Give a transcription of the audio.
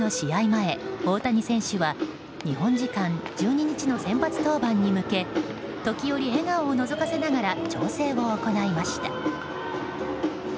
前、大谷選手は日本時間１２日の先発登板に向け時折、笑顔をのぞかせながら調整を行いました。